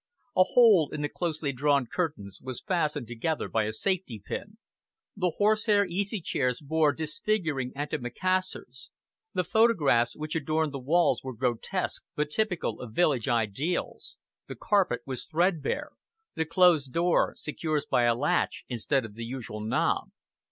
A hole in the closely drawn curtains was fastened together by a safety pin. The horsehair easy chairs bore disfiguring antimacassars, the photographs which adorned the walls were grotesque but typical of village ideals, the carpet was threadbare, the closed door secured by a latch instead of the usual knob.